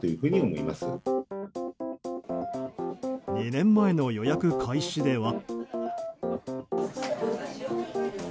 ２年前の予約開始では。